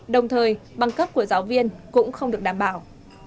đồng thời bằng cấp của giáo viên cũng không được đảm bảo